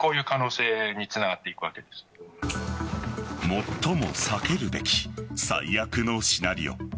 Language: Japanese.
最も避けるべき最悪のシナリオ。